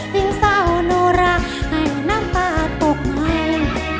ทิ้งเซาโนราให้น้ำตาตกใหม่